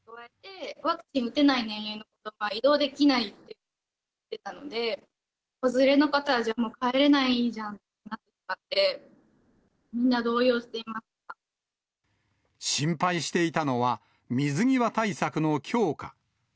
ワクチン打てない年齢は、移動できないと言っていたので、子連れの方は帰れないじゃんってなって、みんな、動揺していまし心配していたのは、水際対策の強化。